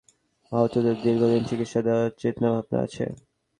সেটির অধীনে রানা প্লাজা ধসে আহতদেরও দীর্ঘদিন চিকিৎসা দেওয়ার চিন্তাভাবনা আছে।